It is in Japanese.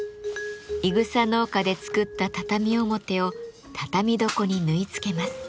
いぐさ農家で作った畳表を畳床に縫い付けます。